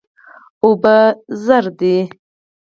اوبه زر دي.